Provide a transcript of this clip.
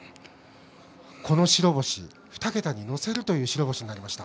この白星、２桁に乗せる白星になりました。